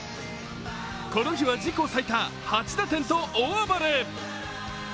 この日は自己最多８打点と大暴れ。